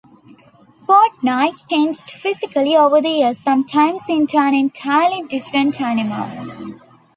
Portnoy changed physically over the years; sometimes into an entirely different animal.